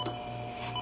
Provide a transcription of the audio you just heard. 先輩！